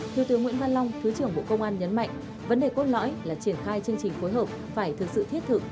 thiếu tướng nguyễn văn long thứ trưởng bộ công an nhấn mạnh vấn đề cốt lõi là triển khai chương trình phối hợp phải thực sự thiết thực